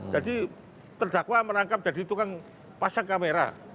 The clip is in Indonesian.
jadi terdakwa merangkap jadi itu kan pasang kamera